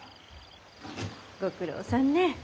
ご苦労さんねえ。